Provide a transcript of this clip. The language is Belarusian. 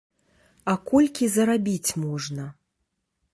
А колькі зарабіць можна?